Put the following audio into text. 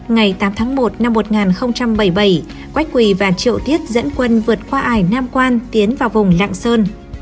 ngày tám tháng một năm một nghìn bảy mươi bảy quách quỳ và triệu thiết dẫn quân vượt qua ải nam quan tiến vào vùng lạng sơn